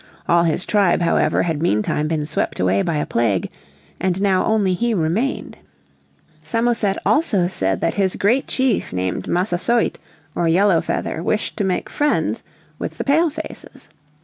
All his tribe however had meantime been swept away by a plague, and now only he remained. Samoset also said that his great chief named Massasoit or Yellow Feather wished to make friends with the Palefaces.